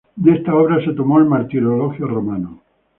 De esta obra se tomó el martirologio romano.